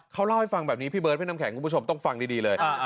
เขาเล่าให้ฟังแบบนี้พี่เบิร์ดพี่น้ำแข็งคุณผู้ชมต้องฟังดีเลย